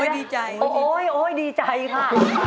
ดีใจค่ะ